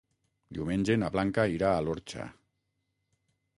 Diumenge na Blanca irà a l'Orxa.